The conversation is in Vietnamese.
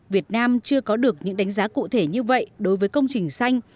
việt nam chưa có được những đánh giá cụ thể như vậy đối với công trình xanh